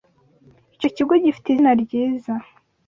Icyo kigo gifite izina ryiza.